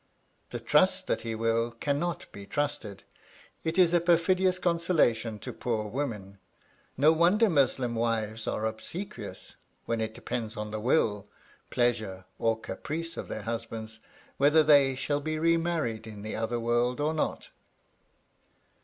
The trust that he will, cannot be trusted; it is a perfidious consolation to poor women. No wonder Muslim wives are obsequious, when it depends on the will, pleasure or caprice of their husbands whether they shall be re married in the other world or not.